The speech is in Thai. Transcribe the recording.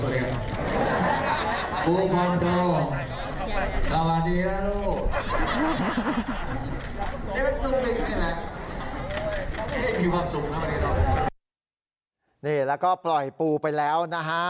นี่แล้วก็ปล่อยปูไปแล้วนะฮะ